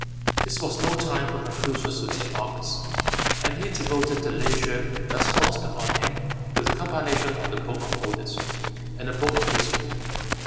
This was no time for Confucius to take office, and he devoted the leisure thus forced upon him to the compilation of the "Book of Odes" and the "Book of History."